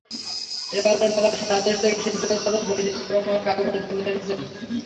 এবারের মেলায় সারা দেশ থেকে শিল্পীরা তাঁদের বৈচিত্র্যময় কারুশিল্প নিয়ে এসেছেন।